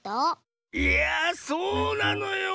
いやあそうなのよ。